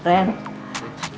terima kasih mak